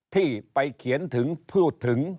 ที่ไปเขียนถึงพูดถึง